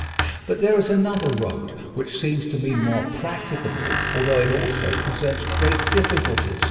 But there is another road, which seems to me more practicable, although it also presents great difficulties.